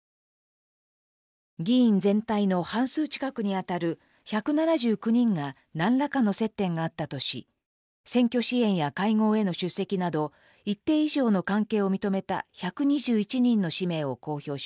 議員全体の半数近くにあたる１７９人が何らかの接点があったとし選挙支援や会合への出席など一定以上の関係を認めた１２１人の氏名を公表しました。